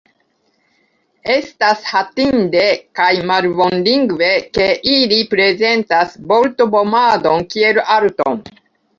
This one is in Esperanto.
Estas hatinde kaj malbonlingve, ke ili prezentas vortvomadon kiel arton.